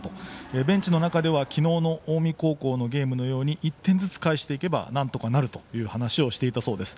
ベンチの中ではきのうの近江高校のゲームのように１点ずつ返していけば、なんとかなるという話をしていたそうです。